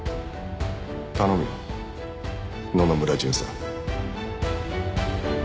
頼むよ野々村巡査。